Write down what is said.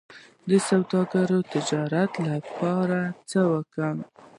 د سوداګرۍ وزارت د تجارانو لپاره څه کوي؟